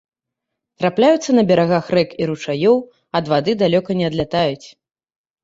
Трапляюцца па берагах рэк і ручаёў, ад вады далёка не адлятаюць.